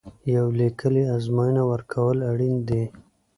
یوه لیکلې ازموینه ورکول اړین دي.